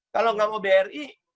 kalau nggak mau bri